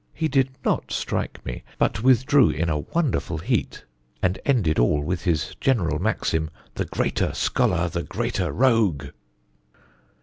He did not strike me, but withdrew in a wonderful heat, and ended all with his general maxim, 'The greater scholler, the greater rogue!'"